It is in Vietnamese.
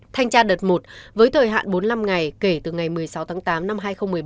thanh tra đợt một với thời hạn bốn mươi năm ngày kể từ ngày một mươi sáu tháng tám năm hai nghìn một mươi bảy